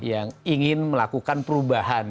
yang ingin melakukan perubahan